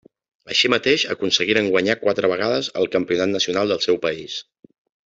Així mateix aconseguiren guanyar quatre vegades el campionat nacional del seu país.